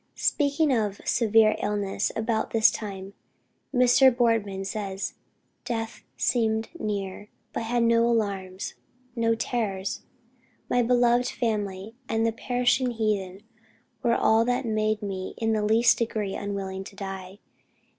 Speaking of a severe illness about this time, Mr. Boardman says: "Death seemed near, ... but had no alarms, no terrors.... My beloved family and the perishing heathen, were all that made me in the least degree unwilling to die.